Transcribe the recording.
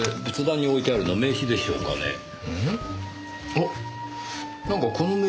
あっなんかこの名刺。